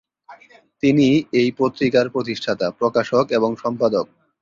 তিনি এই পত্রিকার প্রতিষ্ঠাতা, প্রকাশক এবং সম্পাদক।